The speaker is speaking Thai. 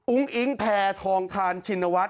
อุ้งอิงแผ่ทองทานชินวัฒน์